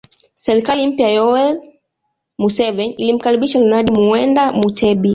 Serikali mpya ya Yoweri Museveni ilimkaribisha Ronald Muwenda Mutebi